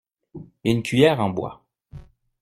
Une cuillère en bois.